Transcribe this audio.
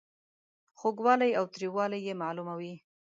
خوږوالی او تریووالی یې معلوموي.